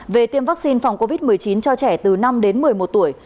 về tiêm vaccine phòng covid một mươi chín cho trẻ từ năm đến một mươi một tuổi